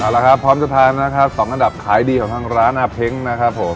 เอาละครับพร้อมจะทานนะครับ๒อันดับขายดีของทางร้านอาเพ้งนะครับผม